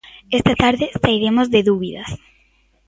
Esta tarde sairemos de dúbidas.